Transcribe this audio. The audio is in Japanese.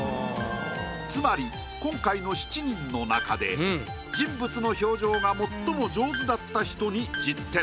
つまり今回の７人の中で人物の表情が最も上手だった人に１０点。